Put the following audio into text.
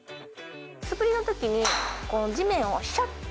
素振りの時に地面をシャッて。